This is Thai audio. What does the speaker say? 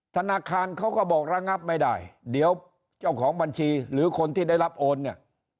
ธนาคารเขาก็บอกระงับไม่ได้เดี๋ยวเจ้าของบัญชีหรือคนที่ได้รับโอนเนี่ย